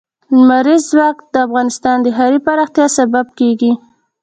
لمریز ځواک د افغانستان د ښاري پراختیا سبب کېږي.